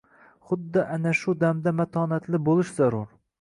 Xuddi ana shu damda matonatli boʻlish zarur